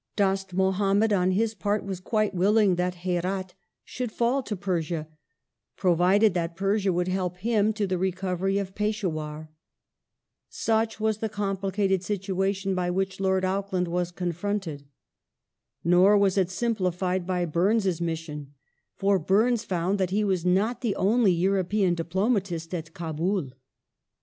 Dost Muhammad on his part was quite willing that Herat should fall to Pei^sia, provided that Persia would help him to the I'ecovery of Peshdwar. Such was the complicated situation by which Lord Auckland was confronted. Nor was it simplified by Burnes's mission, for Burnes found that he was not the only European diplomatist at Kabul.